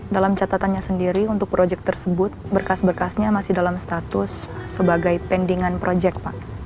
dalam catatannya sendiri untuk proyek tersebut berkas berkasnya masih dalam status sebagai pendingan proyek pak